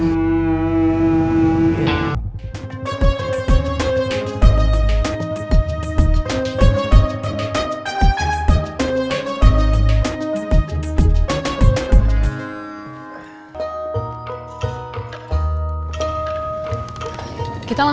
gimana mau diancam